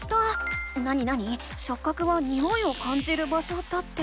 なになに「しょっ角はにおいを感じる場所」だって。